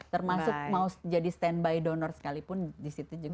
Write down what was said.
termasuk mau jadi standby donor sekalipun di situ juga ada